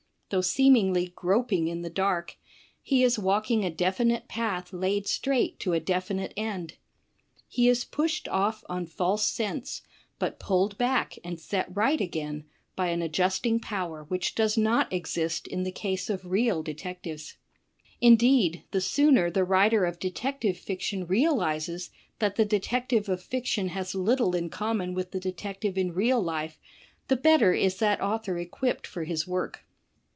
Though seemingly groping in the dark, he is walking a definite path laid straight to a definite end. He is pushed off on false scents, but pulled back and set right again by an adjusting power which does not exist in the case of real detectives. Indeed, the sooner the writer of detective fiction realizes that the detective of fiction has little in common with the detective in real life, the better is that author equipped for his work.